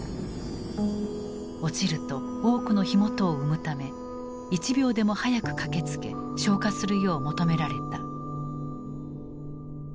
落ちると多くの火元を生むため一秒でも早く駆けつけ消火するよう求められた。